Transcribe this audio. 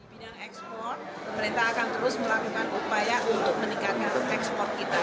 di bidang ekspor pemerintah akan terus melakukan upaya untuk meningkatkan ekspor kita